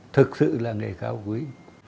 thực sự là nghề cao quý